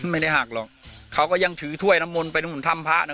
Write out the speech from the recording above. ไม่ได้หักหรอกเขาก็ยังถือถ้วยน้ำมนต์ไปที่ท่ำภาค